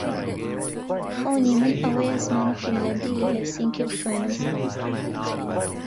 خەونی من ئەوەیە زمانی فینلاندی لە هێلسینکی بخوێنم.